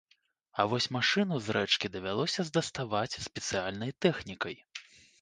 А вось машыну з рэчкі давялося даставаць спецыяльнай тэхнікай.